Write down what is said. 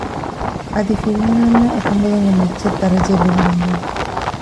އަދި ފިރިހެނުންނަށް އެކަންބަލުންގެ މައްޗަށް ދަރަޖައެއް ލިބިގެންވެ